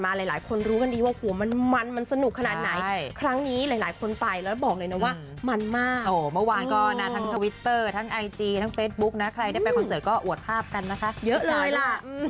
หลายคนรู้กันดีว่าหัวมันมันสนุกขนาดไหนครั้งนี้หลายคนไปแล้วบอกเลยนะว่ามันมากเมื่อวานก็นะทั้งทวิตเตอร์ทั้งไอจีทั้งเฟซบุ๊กนะใครได้ไปคอนเสิร์ตก็อวดภาพกันนะคะเยอะเลยล่ะ